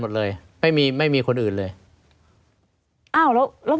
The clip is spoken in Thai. ไม่มีครับไม่มีครับ